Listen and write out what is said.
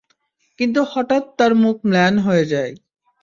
কিন্তু হঠাৎ তার মুখ ম্লান হয়ে যায়।